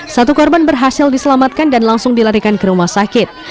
satu korban berhasil diselamatkan dan langsung dilarikan ke rumah sakit